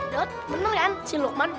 dot bener kan si luqman